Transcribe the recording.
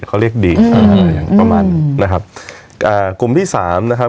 เขาเรียกดีดอืมอืมอืมนะครับอ่ากลุ่มที่สามนะครับ